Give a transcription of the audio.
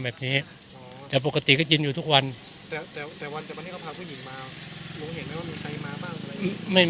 ลุงเห็นไหมว่ามีใครมาบ้าง